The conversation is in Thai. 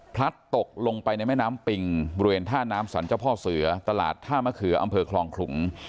พลัดตกลงไปในแม่น้ำปิงบริเวณท่าน้ำสรรเจ้าพ่อเสือตลาดท่ามะเขืออำเภอคลองขลุง